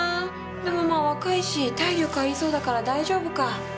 でもま若いし体力ありそうだから大丈夫か。